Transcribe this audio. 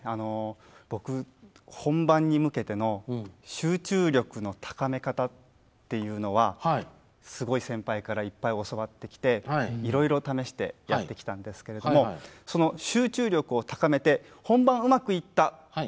僕本番に向けての集中力の高め方っていうのはすごい先輩からいっぱい教わってきていろいろ試してやってきたんですけれどもその集中力を高めて本番うまくいった。